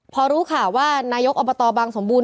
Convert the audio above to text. พอรู้ข่าวว่านายกอบตบางสมบูรณ